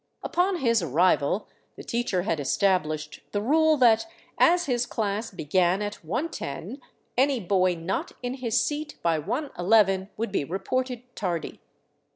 Upon his arrival the teacher had established the rule that, as his class began at i :io, any boy not in his seat by i:il would be reported tardy.